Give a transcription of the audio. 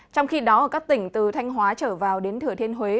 trong khi đó ở các tỉnh từ thanh hóa trở vào đến thừa thiên huế